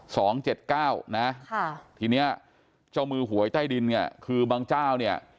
สองเจ็ดเก้านะค่ะทีเนี้ยเจ้ามือหวยใต้ดินเนี่ยคือบางเจ้าเนี่ย